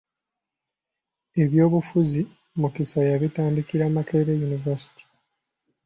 Ebyobufuzi Mukisa yabitandikira Makerere yunivaasite.